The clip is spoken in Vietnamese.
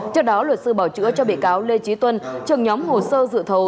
trước đó luật sư bảo chữa cho bị cáo lê trí tuân trưởng nhóm hồ sơ dự thầu